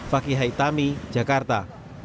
fakihai tami jakarta